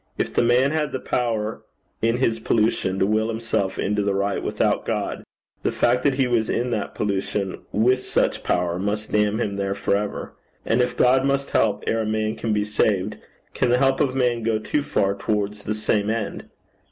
If the man had the power in his pollution to will himself into the right without God, the fact that he was in that pollution with such power, must damn him there for ever. And if God must help ere a man can be saved, can the help of man go too far towards the same end?